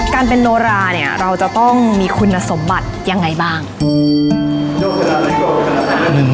การเป็นโนราเนี่ยเราจะต้องมีคุณสมบัติยังไงบ้าง